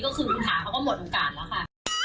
ก็คือคุณถาเขาก็หมดโอกาสแล้วค่ะ